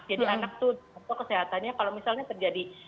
jadi anak itu apa kesehatannya kalau misalnya terjadi